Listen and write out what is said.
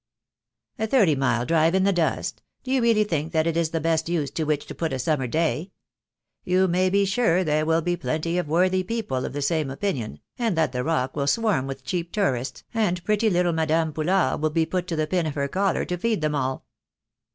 "A thirty mile drive in the dust! Do you really think that it is the best use to which to put a summer day? You may be sure there will be plenty of worthy people of the same opinion, and that the rock will swarm with cheap tourists, and pretty little Madame Poulard will be put to the pin of her collar to feed them all."